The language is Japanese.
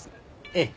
ええ。